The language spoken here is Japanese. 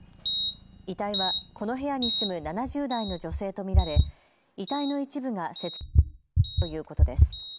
遺体はこの部屋に住む７０代の女性と見られ遺体の一部が切断されていたということです。